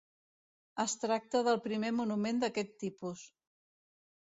Es tracta del primer monument d'aquest tipus.